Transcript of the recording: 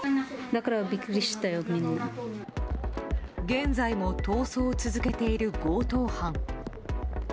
現在も逃走を続けている強盗犯。